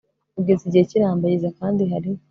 Ugeze igihe cy irambagiza kandi hari